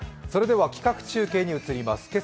それでは企画中継に移ります。